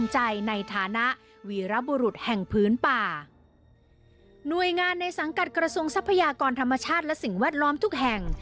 หน่วยงานในสังกัดกระทรวงทรัพยากรธรรมชาติและสิ่งแวดล้อมทุกแห่ง